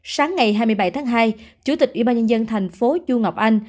sáng ngày hai mươi bảy tháng hai chủ tịch ủy ban nhân dân thành phố chu ngọc anh